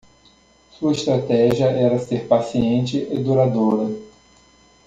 Sua estratégia era ser paciente e duradoura.